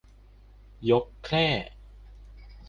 ยกแคร่